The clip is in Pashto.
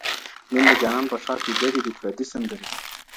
نن د جانان په ښار کي ګډي دي پردۍ سندري..